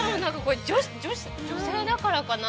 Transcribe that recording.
女性だからかな。